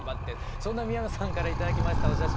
そんな三山さんから頂きましたお写真